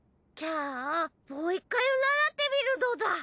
じゃあもう一回占ってみるのだ。